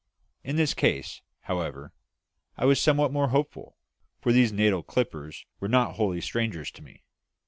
In this case, however, I was somewhat more hopeful, for these Natal clippers were not wholly strange to me.